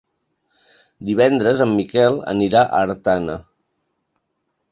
Divendres en Miquel anirà a Artana.